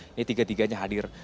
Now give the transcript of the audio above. ini tiga tiganya hadir